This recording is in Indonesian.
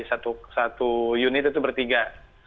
satu unit itu bertiga